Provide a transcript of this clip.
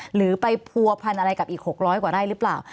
หรือไปผัวพันอะไรกับอีก๖๐๐กว่าไร่หรือเปล่า